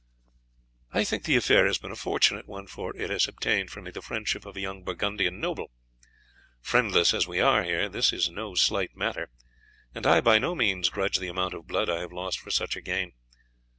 "I think the affair has been a fortunate one, for it has obtained for me the friendship of a young Burgundian noble. Friendless as we are here, this is no slight matter, and I by no means grudge the amount of blood I have lost for such a gain.